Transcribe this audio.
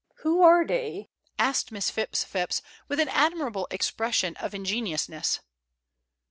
"Who are they?" asked Miss Phipps Phipps, with an admirable expression of ingenuousness.